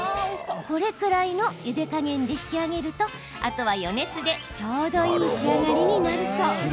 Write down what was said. これぐらいのゆで加減で引き上げるとあとは余熱でちょうどいい仕上がりになるそう。